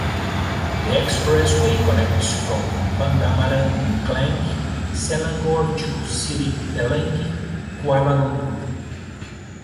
The expressway connects from Pandamaran in Klang, Selangor to Sri Petaling, Kuala Lumpur.